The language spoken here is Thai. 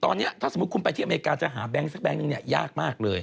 ตอนนี้ถ้าสมมุติคุณไปที่อเมริกาจะหาแก๊งสักแก๊งนึงเนี่ยยากมากเลย